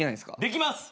できます。